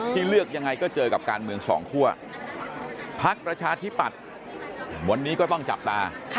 เลือกยังไงก็เจอกับการเมืองสองคั่วพักประชาธิปัตย์วันนี้ก็ต้องจับตา